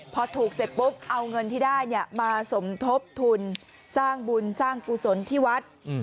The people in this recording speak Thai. พอถูกเสร็จปุ๊บเอาเงินที่ได้มาสมทบทุนสร้างบุญสร้างกุศลที่วัด